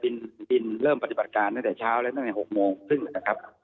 ดินเริ่มปฏิบัติการตั้งแต่เช้าและตั้งแต่๖โมงครึ่งนะครับ